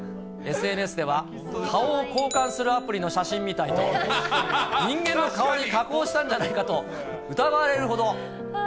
ＳＮＳでは顔を交換するアプリの写真みたいと、人間の顔に加工したんじゃないかと疑われるほど。